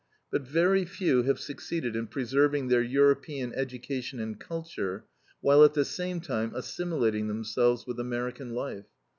But very few have succeeding in preserving their European education and culture while at the same time assimilating themselves with American life.